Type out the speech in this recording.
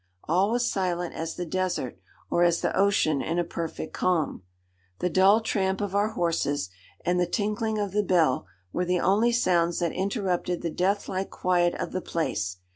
All was silent as the desert, or as the ocean in a perfect calm. The dull tramp of our horses, and the tinkling of the bell, were the only sounds that interrupted the death like quiet of the place.